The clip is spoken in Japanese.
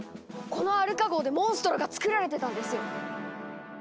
このアルカ号でモンストロがつくられてたんですよ。